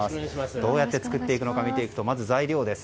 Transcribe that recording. どうやって作っていくのか見ていくとまず材料です。